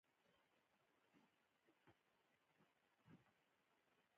شات د ناروغیو لپاره ګټور دي.